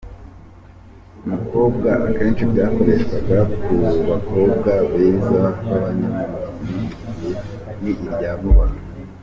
Inzego” : Umukobwa, akenshi byakoreshwaga ku bakobwa beza b’abanyamujyi, ni irya vuba aha.